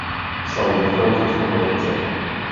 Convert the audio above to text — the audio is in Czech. Psal ve francouzském jazyce.